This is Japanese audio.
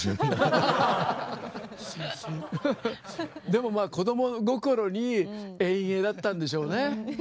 でもまあ子供心に遠泳だったんでしょうね。